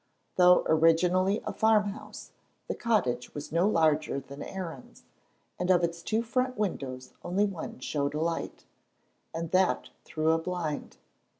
Though originally a farm house, the cottage was no larger than Aaron's, and of its two front windows only one showed a light, and that through a blind.